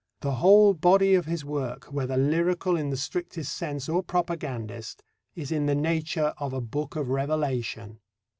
The whole body of his work, whether lyrical in the strictest sense or propagandist, is in the nature of a Book of Revelation.